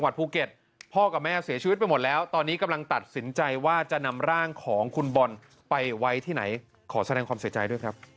แต่พอไปถึงบ้านก็มีกลิ่นเหม็น